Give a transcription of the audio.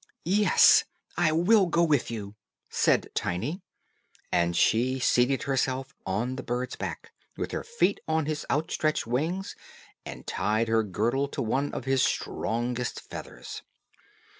"Yes, I will go with you," said Tiny; and she seated herself on the bird's back, with her feet on his outstretched wings, and tied her girdle to one of his strongest feathers.